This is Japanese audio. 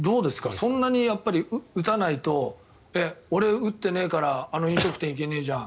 そんなに、打たないと俺、打ってないからあの飲食店、行けないじゃん。